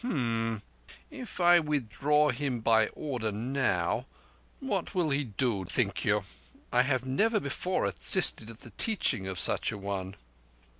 "Hmm! If I withdraw him by order now—what will he do, think you? I have never before assisted at the teaching of such an one."